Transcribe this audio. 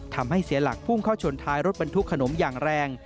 ทำให้เสียหลักพุ่งเข้าชนท้ายรถบรรทุกขนมอย่างแรง